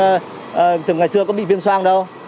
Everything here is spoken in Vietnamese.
đây là tôi ngày xưa có bị viêm soang đâu